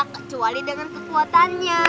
kecuali dengan kekuatannya